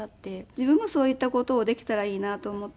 自分もそういった事をできたらいいなと思って。